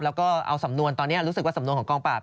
แล้วก็เอาสำนวนตอนนี้รู้สึกว่าสำนวนของกองปราบ